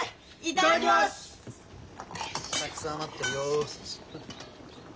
たくさん余ってるよ。